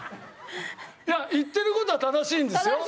いや言ってる事は正しいんですよ。